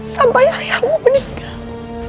sampai ayahmu meninggal